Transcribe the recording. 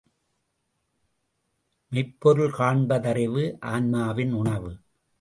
மெய்ப்பொருள் காண்பதறிவு ஆன்மாவின் உணவு!